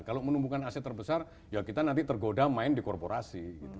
kalau menumbuhkan aset terbesar ya kita nanti tergoda main di korporasi